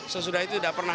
sesudah itu sudah pernah